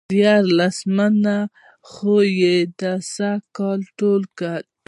ياره لس منه خو يې دا سږ کال ټول کړي.